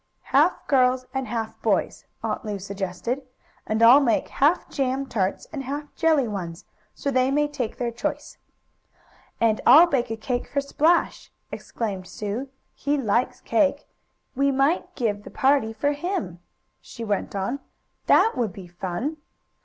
"Half girls and half boys," Aunt Lu suggested. "And I'll make half jam tarts and half jelly ones, so they may take their choice." "And I'll bake a cake for Splash!" exclaimed Sue. "He likes cake. We might give the party for him," she went on. "That would be fun!"